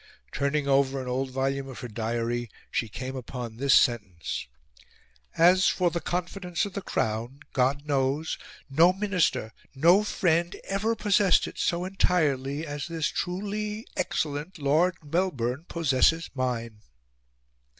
Turning over an old volume of her diary, she came upon this sentence "As for 'the confidence of the Crown,' God knows! No MINISTER, NO FRIEND, EVER possessed it so entirely as this truly excellent Lord Melbourne possesses mine!"